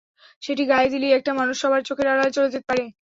সেটি গায়ে দিলেই একটা মানুষ সবার চোখের আড়ালে চলে যেতে পারে।